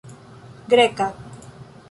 greka